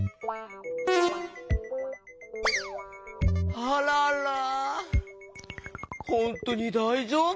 あららほんとにだいじょうぶ？